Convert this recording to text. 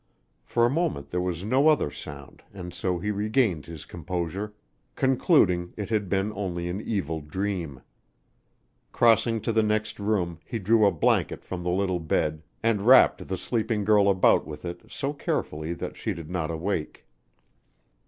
For a moment there was no other sound and so he regained his composure, concluding it had been only an evil dream. Crossing to the next room, he drew a blanket from the little bed and wrapped the sleeping girl about with it so carefully that she did not awake.